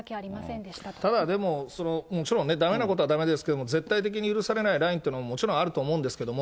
ただでも、もちろんね、だめなことはだめですけども、絶対的に許されないラインっていうのももちろんあると思うんですけども、